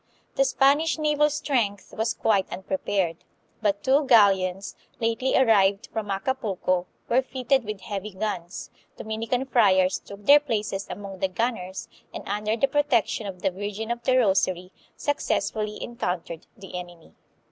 The Spanish naval strength was quite unprepared; but two galleons, lately arrived from Acapulco, were fitted with heavy guns, Dominican friars took their places among the gunners, and, under the protection of the Virgin of the Rosary, successfully encountered the enemy.